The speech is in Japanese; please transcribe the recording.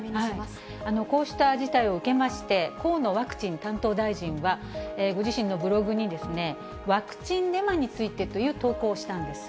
こうした事態を受けまして、河野ワクチン担当大臣は、ご自身のブログに、ワクチンデマについてという投稿をしたんです。